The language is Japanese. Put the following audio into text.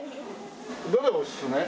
どれおすすめ？